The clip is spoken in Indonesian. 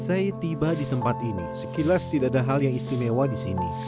saya tiba di tempat ini sekilas tidak ada hal yang istimewa di sini